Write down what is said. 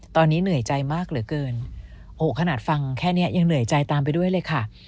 ตอนนี้เหนื่อยใจมากเหลือเกินโหขนาดฟังแค่นี้ยังเหนื่อยใจตามไปด้วยเลยค่ะ